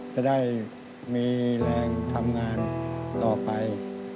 จะได้มีแรงทำงานต่อไป